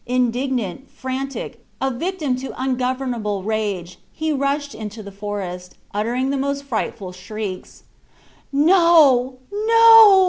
Indignant, frantic, a victim to ungovernable rage, he rushed into the forest, uttering the most frightful shrieks. "No, no!"